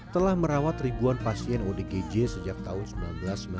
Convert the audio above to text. telah merawat ribuan pasien odgj sejak tahun dua ribu dua puluh